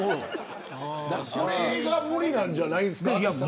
それが無理なんじゃないですか。